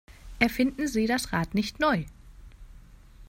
Erfinden Sie das Rad nicht neu!